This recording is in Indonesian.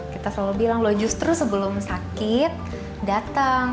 kita selalu bilang loh justru sebelum sakit datang